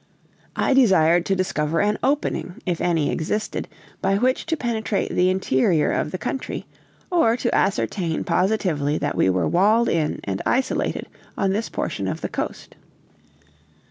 I desired to discover an opening, if any existed, by which to penetrate the interior of the country, or to ascertain positively that we were walled in and isolated on this portion of the coast.